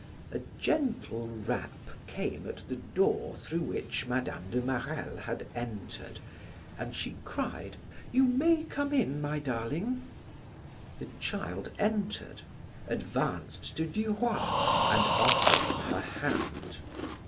A gentle rap came at the door through which Mme. de Marelle had entered, and she cried: "You may come in, my darling." The child entered, advanced to Duroy and offered him her hand.